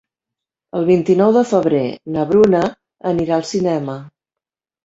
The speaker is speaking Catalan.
El vint-i-nou de febrer na Bruna anirà al cinema.